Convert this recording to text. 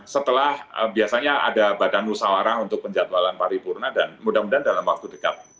setelah biasanya ada badan musawarah untuk penjatualan paripurna dan mudah mudahan dalam waktu dekat